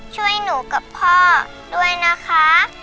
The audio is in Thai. ช่วยหนูกับพ่อด้วยนะคะ